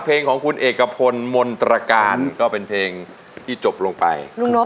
เพลงของคุณเอกพลมนตรการก็เป็นเพลงที่จบลงไป